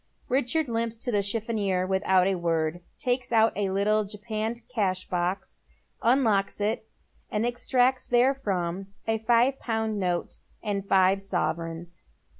Richard limps to the chiffonier without a word, takes out a little japanned cash box, unlocks it, and extracts therefrom a five pound note and five sovereigns.